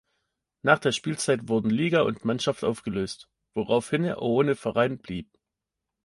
Nach der Spielzeit wurden Liga und Mannschaft aufgelöst, woraufhin er ohne Verein blieb.